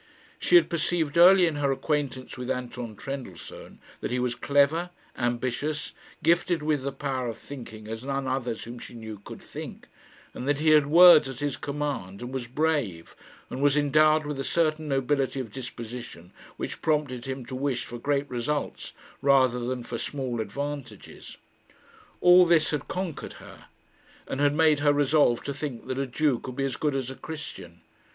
She had perceived early in her acquaintance with Anton Trendellsohn that he was clever, ambitious, gifted with the power of thinking as none others whom she knew could think; and that he had words at his command, and was brave, and was endowed with a certain nobility of disposition which prompted him to wish for great results rather than for small advantages. All this had conquered her, and had made her resolve to think that a Jew could be as good as a Christian.